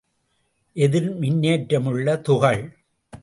எதிர் மின்னேற்றமுள்ள துகள்.